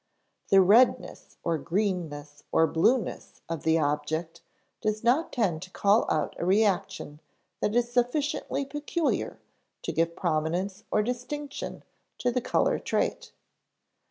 The redness or greenness or blueness of the object does not tend to call out a reaction that is sufficiently peculiar to give prominence or distinction to the color trait.